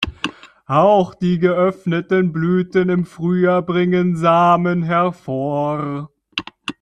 Auch die geöffneten Blüten im Frühjahr bringen Samen hervor.